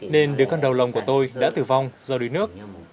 nên đứa con đầu lòng của tôi đã tử vong do đuối nước